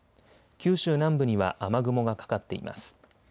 九州南部には雨雲がかかっています。